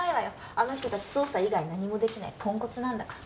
あの人たち捜査以外何もできないぽんこつなんだから。